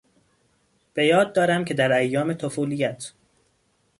به یاد دارم که در ایام طفولیت...